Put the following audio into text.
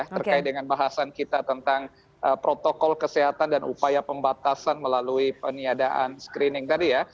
terkait dengan bahasan kita tentang protokol kesehatan dan upaya pembatasan melalui peniadaan screening tadi ya